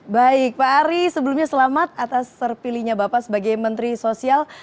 baik pak ari sebelumnya selamat atas terpilihnya bapak sebagai menteri sosial